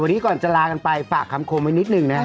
วันนี้ก่อนจะลากันไปฝากคำคมไว้นิดหนึ่งนะฮะ